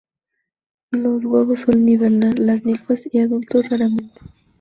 Los huevos suelen hibernar; las ninfas y adultos raramente.